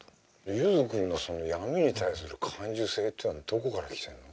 ゆづ君のその闇に対する感受性っていうのはどこから来てるの？